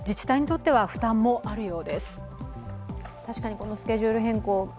このスケジュール変更